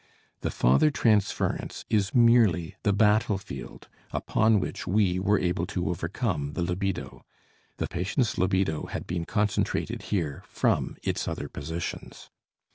The father transference is merely the battlefield upon which we were able to overcome the libido; the patient's libido had been concentrated here from its other positions.